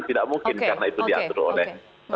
tidak mungkin karena itu diatur oleh